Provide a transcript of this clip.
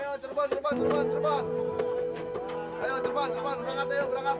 ayo turban berangkat berangkat berangkat